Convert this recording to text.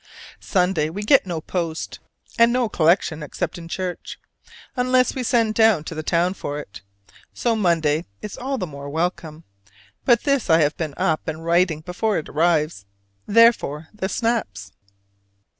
Sunday we get no post (and no collection except in church) unless we send down to the town for it, so Monday is all the more welcome: but this I have been up and writing before it arrives therefore the "snaps."